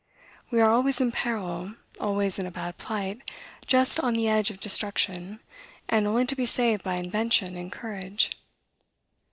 We are always in peril, always in a bad plight, just on the edge of destruction, and only to be saved by invention and courage.